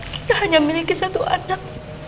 kita hanya memiliki satu anak